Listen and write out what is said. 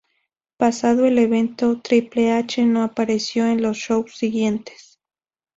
Pasado el evento, Triple H no apareció en los shows siguientes.